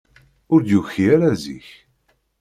Ur d-yuki ara zik.